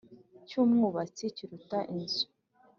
Cy umwubatsi kiruta icy inzu